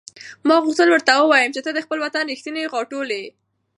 ما غوښتل ورته ووایم چې ته د خپل وطن رښتینې غاټول یې.